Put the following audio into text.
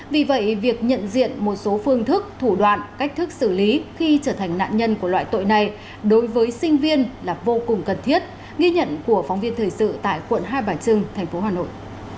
vì vậy việc nhận diện một số phương thức thủ đoạn cách thức xử lý khi trở thành nạn nhân của loại tội này đối với sinh viên là vô cùng cần thiết ghi nhận của phóng viên thời sự tại quận hai bà trưng thành phố hà nội